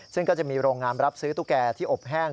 ซึ่งก็จะมีโรงงานรับซื้อตุ๊กแก่ที่อบแห้ง